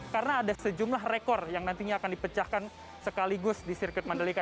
karena ada sejumlah rekor yang nantinya akan dipecahkan sekaligus di sirkuit mandalika